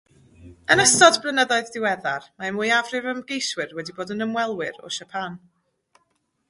Yn ystod blynyddoedd diweddar, mae mwyafrif yr ymgeiswyr wedi bod yn ymwelwyr o Japan.